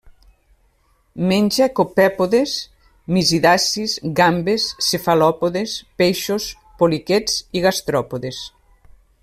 Menja copèpodes, misidacis, gambes, cefalòpodes, peixos, poliquets i gastròpodes.